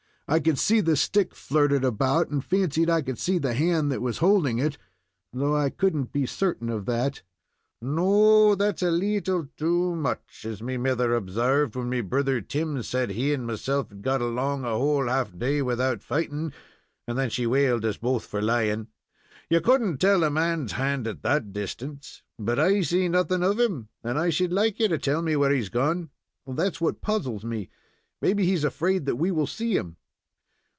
I could see the stick flirted about, and fancied I could see the hand that was holding it, though I could n't be certain of that." "No; that's a leetle too much, as me mither obsarved, when me brother Tim said that he and meself had got along a whole half day without fighting, and then she whaled us both for lying. Ye couldn't tell a man's hand at that distance, but I see nothing of him, and I should like ye to tell me where he's gone." "That is what puzzles me. Maybe he is afraid that we will see him."